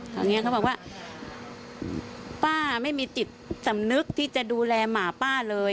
ตอนนี้เขาบอกว่าป้าไม่มีจิตสำนึกที่จะดูแลหมาป้าเลย